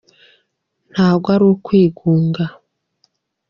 ntago arukwigunga.